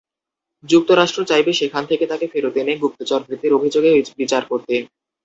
যুক্তরাষ্ট্র চাইবে সেখান থেকে তাঁকে ফেরত এনে গুপ্তচরবৃত্তির অভিযোগে বিচার করতে।